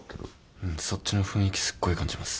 うんそっちの雰囲気すっごい感じます。